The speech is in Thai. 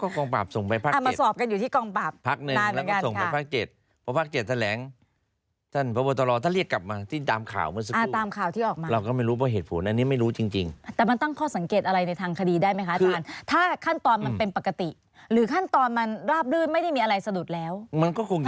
ก็ว่ากันไปแล้วก็ไปที่ศาลอืม